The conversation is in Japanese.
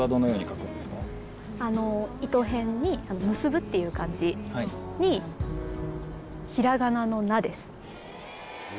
いとへんに「結ぶ」っていう漢字にひらがなの「な」です。